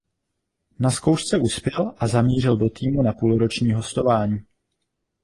Na zkoušce uspěl a zamířil do týmu na půlroční hostování.